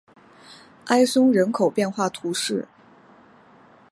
埃松人口变化图示